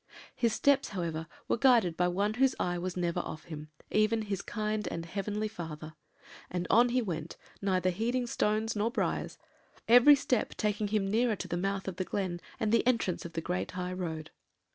"His steps, however, were guided by One whose eye was never off him, even his kind and heavenly Father; and on he went, neither heeding stones nor briars; every step taking him nearer to the mouth of the glen, and the entrance on the great high road.